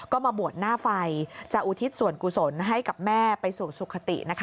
ก็มาบวชหน้าไฟจะอุทิศส่วนกุศลให้กับแม่ไปสู่สุขตินะคะ